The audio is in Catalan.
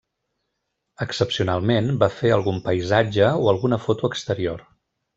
Excepcionalment, va fer algun paisatge o alguna foto exterior.